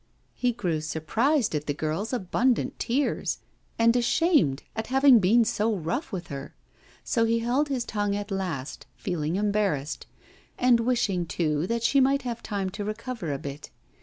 He grew surprised at the girl's abundant tears, and ashamed at having been so rough with her, so he held his tongue at last, feeling embarrassed, and wishing too that she might have time to recover a bit.